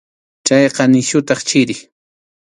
Chayqa nisyutaq chiri.